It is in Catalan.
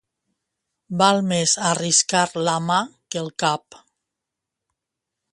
Val més arriscar la mà que el cap.